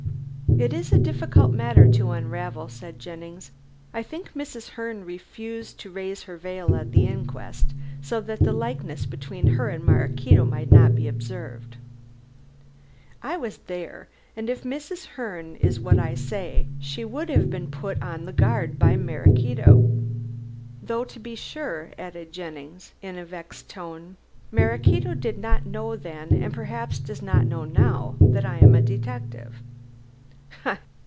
"It is a difficult matter to unravel," said Jennings. "I think Mrs. Herne refused to raise her veil at the inquest so that the likeness between her and Maraquito might not be observed. I was there, and if Mrs. Herne is what I say, she would have been put on her guard by Maraquito. Though to be sure," added Jennings in a vexed tone, "Maraquito did not know then, and perhaps does not know now, that I am a detective."